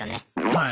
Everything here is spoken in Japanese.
はい。